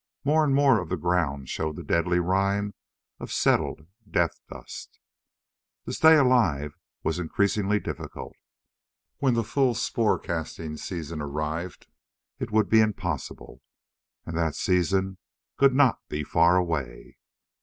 More and more of the ground showed the deadly rime of settled death dust. To stay alive was increasingly difficult. When the full spore casting season arrived, it would be impossible. And that season could not be far away.